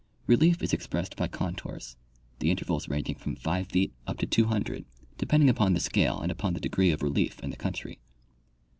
Relief is expressed by con tours, the intervals ranging from 5 feet Up to 200, depending upon the scale and upon the degree of relief of the country.